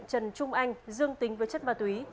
đối tượng trung anh dương tính với chất ma túy